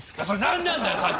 それ何なんだよ！